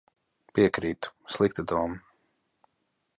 Piekrītu. Slikta doma.